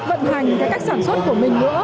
vận hành cái cách sản xuất của mình nữa